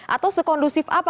atau sekondusif apa